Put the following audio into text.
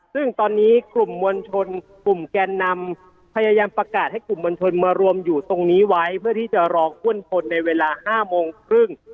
ซึ่งตอนนี้กลุ่มมวลชนกลุ่มแกนนำพยายามประกาศให้กลุ่มมวลชนมารวมอยู่ตรงนี้ไว้เพื่อที่จะรออ้วนคนในเวลา๕โมงครึ่ง